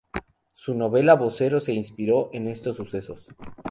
Su novela Vocero se inspiró en estos sucesos.